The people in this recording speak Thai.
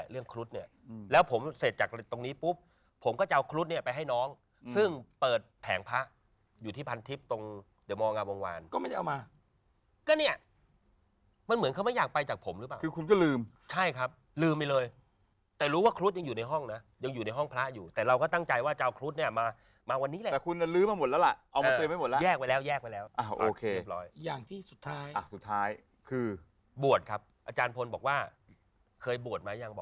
เรื่องครุฑเนี่ยแล้วผมเสร็จจากตรงนี้ปุ๊บผมก็จะเอาครุฑเนี่ยไปให้น้องซึ่งเปิดแผงพระอยู่ที่พันทิพย์ตรงเดียวมองงาวงวานก็ไม่ได้เอามาก็เนี่ยมันเหมือนเขาไม่อยากไปจากผมรึเปล่าคือคุณก็ลืมใช่ครับลืมไปเลยแต่รู้ว่าครุฑยังอยู่ในห้องนะยังอยู่ในห้องพระอยู่แต่เราก็ตั้งใจว่าจะเอาครุฑเนี่ยมามาวันนี้แหละแต่คุณ